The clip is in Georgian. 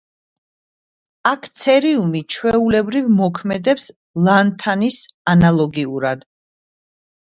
აქ ცერიუმი ჩვეულებრივ მოქმედებს ლანთანის ანალოგიურად.